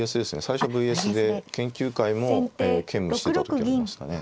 最初ＶＳ．で研究会も兼務してた時ありましたね。